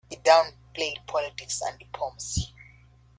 It downplayed politics and diplomacy.